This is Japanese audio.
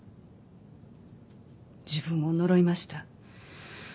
自分を呪いました。